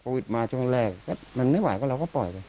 มาช่วงแรกก็มันไม่ไหวก็เราก็ปล่อยไป